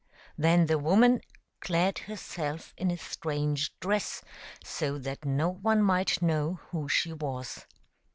Then the woman clad herself in a strange dress, so that no one might know who she was.